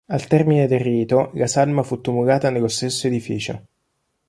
Al termine del rito la salma fu tumulata nello stesso edificio.